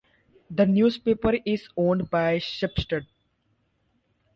The newspaper is owned by Schibsted.